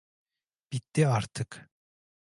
Bitti artık.